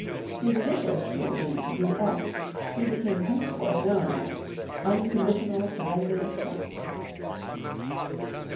His initials too being U. S. he became henceforth known as Unconditional Surrender Grant.